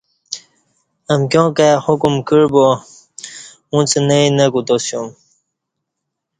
امکیاں کائی حکم کع با اݩڅ نئ نہ کوتاسیوم